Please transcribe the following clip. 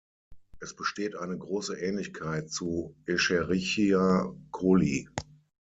Es besteht eine große Ähnlichkeit zu "Escherichia coli".